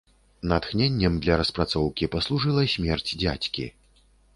Натхненнем для распрацоўкі паслужыла смерць дзядзькі.